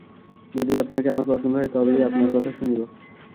যদি আপনাকে আমার পছন্দ হয়, তবেই আপনার কথা শুনিব।